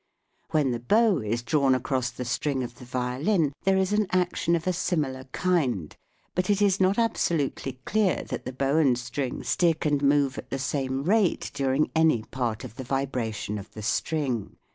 When the bow is drawn across the string of the violin, there is an action of a similar kind, but it is not absolutely clear that the bow and string stick and move at the same rate during any part of the vibration of the string.